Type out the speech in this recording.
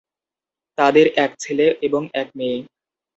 তাঁদের এক ছেলে এবং এক মেয়ে।